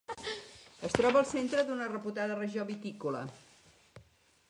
Es troba al centre d'una reputada regió vitícola.